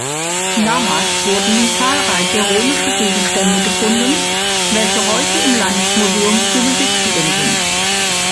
Damals wurden zahlreiche römische Gegenstände gefunden, welche heute im Landesmuseum zu besichtigen sind.